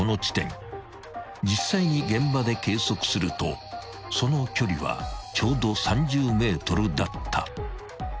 ［実際に現場で計測するとその距離はちょうど３０ｍだった］